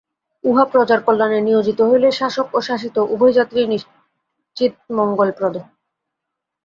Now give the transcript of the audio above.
উহা প্রজার কল্যাণে নিয়োজিত হইলে শাসক ও শাসিত উভয় জাতিরই নিশ্চিত মঙ্গলপ্রদ।